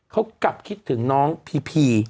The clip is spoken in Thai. เขากลับคิดถึงน้องพีพี